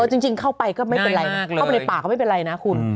จริงเข้าไปก็ไม่เป็นไรมากเข้าไปในป่าก็ไม่เป็นไรนะคุณ